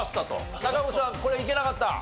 中越さんこれいけなかった？